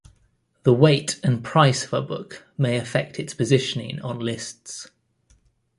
The weight and price of a book may affect its positioning on lists.